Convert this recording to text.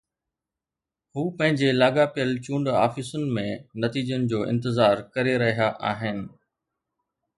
هو پنهنجي لاڳاپيل چونڊ آفيسن ۾ نتيجن جو انتظار ڪري رهيا آهن